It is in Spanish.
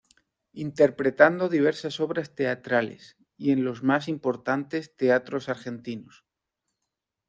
Interpretando diversas obras teatrales y en los más importantes teatros argentinos.